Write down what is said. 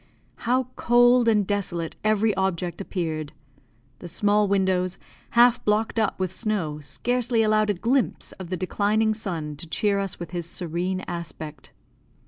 How cold and desolate every object appeared! The small windows, half blocked up with snow, scarcely allowed a glimpse of the declining sun to cheer us with his serene aspect.